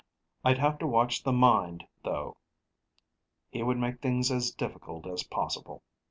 I'd have to watch the Mind, though; he would make things as difficult as possible.